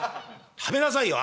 食べなさいよ」。